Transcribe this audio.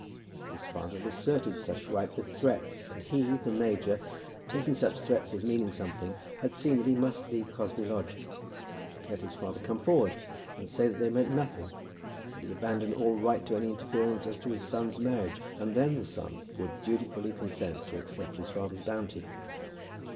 His father had asserted such right with threats, and he, the major, taking such threats as meaning something, had seen that he must leave Cosby Lodge. Let his father come forward, and say that they meant nothing, that he abandoned all right to any interference as to his son's marriage, and then the son would dutifully consent to accept his father's bounty!